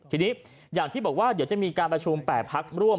ทีนี้อย่างที่บอกว่าเดี๋ยวจะมีการประชุม๘พักร่วม